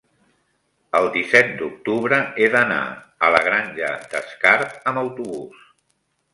el disset d'octubre he d'anar a la Granja d'Escarp amb autobús.